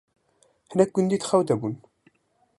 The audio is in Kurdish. hinek gundî di xew de bûn